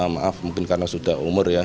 maaf mungkin karena sudah umur ya